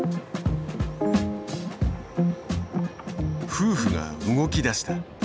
夫婦が動きだした。